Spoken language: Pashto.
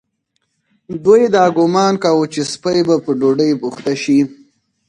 دوی دا ګومان کاوه چې سپۍ به په ډوډۍ بوخته شي.